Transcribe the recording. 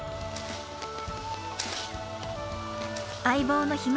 相棒のひむ